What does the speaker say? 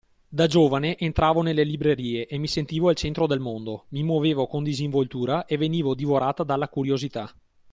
Da giovane entravo nelle librerie e mi sentivo al centro del mondo, mi muovevo con disinvoltura e venivo divorata dalla curiosità.